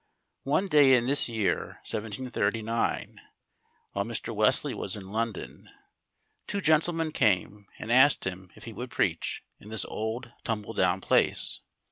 One day in this year, 1739, while Mr. Wesley was in London, two gentlemen came and asked him if he would preach in this old tumble down place.